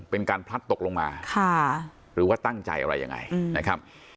เป็นการพลัดตกลงมาค่ะหรือว่าตั้งใจอะไรยังไงนะครับ